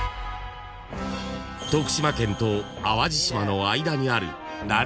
［徳島県と淡路島の間にある］